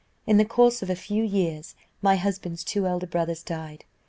"In the course of a few years, my husband's two elder brothers died.